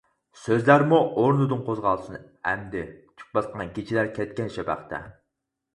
سۆزلەرمۇ ئورنىدىن قوزغالسۇن ئەمدى تۈك باسقان كېچىلەر كەتكەن شەپەقتە.